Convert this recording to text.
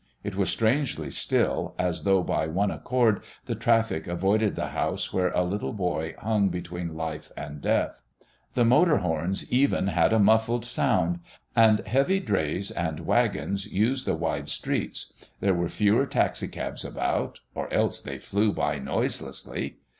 It was strangely still, as though by one accord the traffic avoided the house where a little boy hung between life and death. The motor horns even had a muffled sound, and heavy drays and wagons used the wide streets; there were fewer taxicabs about, or else they flew by noiselessly.